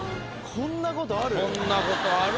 こんなことある？